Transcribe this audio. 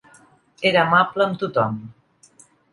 Era amable amb tothom.